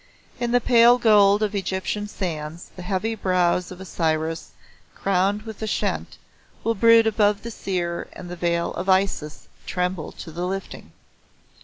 In the pale gold of Egyptian sands the heavy brows of Osiris crowned with the pshent will brood above the seer and the veil of Isis tremble to the lifting.